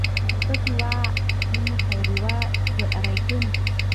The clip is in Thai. ก็คือว่า ไม่มีใครรู้ว่าเกิดอะไรขึ้น